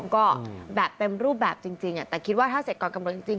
ก็เป็นรูปแบบจริงแต่คิดว่าถ้าเสร็จก่อนกับกลุ่มจริง